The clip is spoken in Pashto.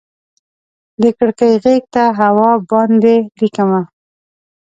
د کړکۍ غیږ ته هوا باندې ليکمه